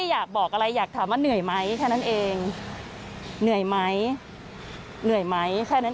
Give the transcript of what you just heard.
เหนื่อยไหมแค่นั้นเองค่ะ